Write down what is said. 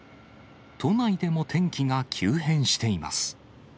都内でも天気が急変しています。